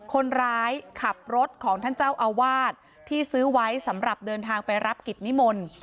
คนร้ายขับรถของท่านเจ้าอาวาสที่ซื้อไว้สำหรับเดินทางไปรับกิจนิมนต์